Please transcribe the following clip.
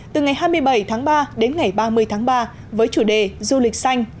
từ ngày hai mươi bảy tháng ba đến ngày ba mươi tháng ba với chủ đề du lịch xanh